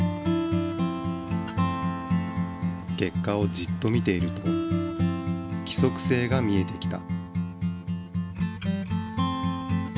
結果をじっと見ていると規則性が見えてきた。